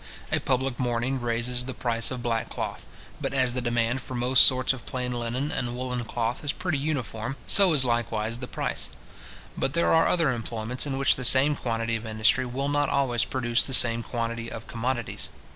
A public mourning raises the price of black cloth. But as the demand for most sorts of plain linen and woollen cloth is pretty uniform, so is likewise the price. But there are other employments in which the same quantity of industry will not always produce the same quantity of commodities.